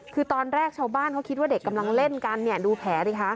คือตอนแรกชาวบ้านเขาคิดว่าเด็กกำลังเล่นกันเนี่ยดูแผลดิคะ